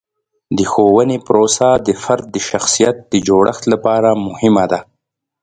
د ښوونې پروسه د فرد د شخصیت د جوړښت لپاره مهمه ده.